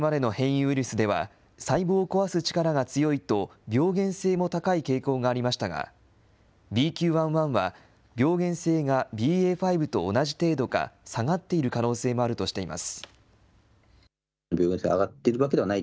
これまでの変異ウイルスでは、細胞を壊す力が強いと病原性も高い傾向がありましたが、ＢＱ．１．１は、病原性がＢＡ．５と同じ程度か下がっている可能性もあるとしています。